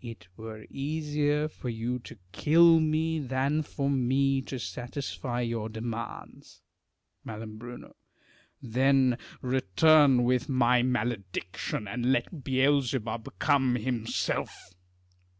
It were easier for you to kill me, than for me to satisfy your demands. Mai. Then return with my malediction, and let Beelzebub come himself.